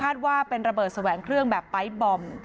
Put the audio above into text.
ว่าเป็นระเบิดแสวงเครื่องแบบไปร์ทบอม